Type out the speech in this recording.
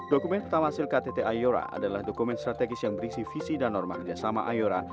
dokumen pertama hasil ktt ayora adalah dokumen strategis yang berisi visi dan norma kerjasama ayora